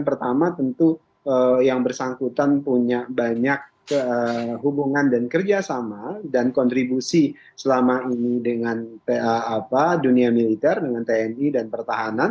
pertama tentu yang bersangkutan punya banyak hubungan dan kerjasama dan kontribusi selama ini dengan dunia militer dengan tni dan pertahanan